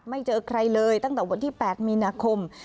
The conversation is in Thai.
เจอใครเลยตั้งแต่วันที่๘มีนาคม